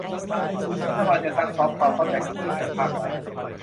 รัฐบาลจะซักซ้อมความเข้าใจกับหน่วยงานภาครัฐ